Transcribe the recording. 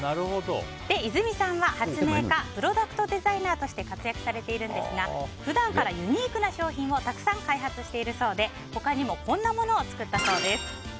ゐずみさんは、発明家プロダクトデザイナーとして活躍されているんですが普段からユニークな商品をたくさん開発されているそうで他にもこんなものを作ったそうです。